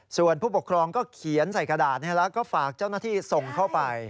ส่วนผู้ปกครองก็เขียนใส่กระดาษแล้วก็ฝากเจ้าหน้าที่ส่งเข้าไป